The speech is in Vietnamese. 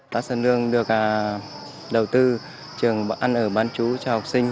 xã sơn lương được đầu tư trường ăn ở bán chú cho học sinh